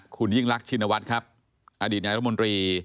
คุณยิ่งรักชินวัฒน์ครับอดีตนายรมนตรี